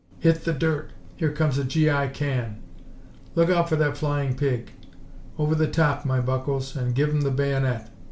"Hit the dirt! Here comes a G.I. can." "Look out for that flying pig!" "Over the top, my buckoes, and give 'em the bayonet."